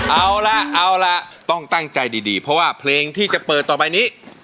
เอาละเอาล่ะต้องตั้งใจดีเพราะว่าเพลงที่จะเปิดต่อไปนี้